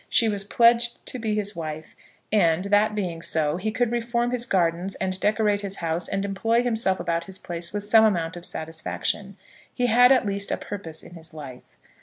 She was pledged to be his wife; and, that being so, he could reform his gardens and decorate his house, and employ himself about his place with some amount of satisfaction. He had at least a purpose in his life.